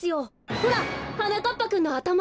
ほらはなかっぱくんのあたま。